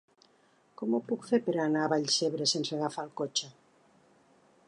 Com ho puc fer per anar a Vallcebre sense agafar el cotxe?